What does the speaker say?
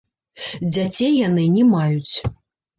Дзяцей яны не маюць.